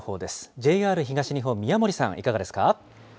ＪＲ東日本、宮森さん、いかがですか。